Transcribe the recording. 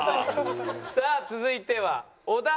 さあ続いては小田。